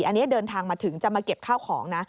อันนี้เดินทางมาถึงจะมาเก็บข้าวของนะ